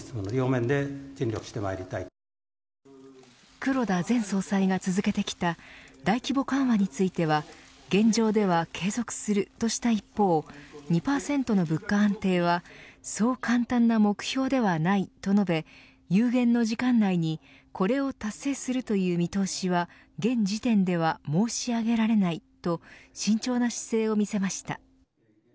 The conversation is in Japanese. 黒田前総裁が続けてきた大規模緩和については現状では継続するとした一方２％の物価安定は、そう簡単な目標ではないとも述べ有限の時間内にこれを達成するという見通しは現時点では申し上げられないと慎重な姿勢を見せました。